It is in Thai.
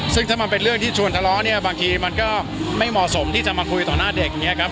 ซึ่งถ้ามันเป็นเรื่องที่ชวนทะเลาะเนี่ยบางทีมันก็ไม่เหมาะสมที่จะมาคุยต่อหน้าเด็กอย่างนี้ครับ